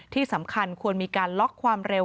ที่สำคัญควรมีการล็อกความเร็ว